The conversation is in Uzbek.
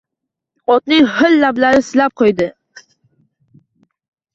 Otning ho`l lablarini silab qo`ydi